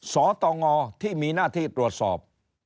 สตงที่มีหน้าที่ตรวจสอบ